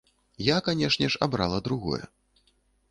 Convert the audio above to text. Я, канешне ж, абрала другое.